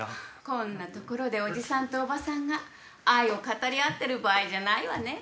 こんな所でおじさんとおばさんが愛を語り合ってる場合じゃないわね。